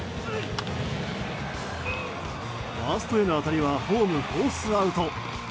ファーストへの当たりはホームフォースアウト。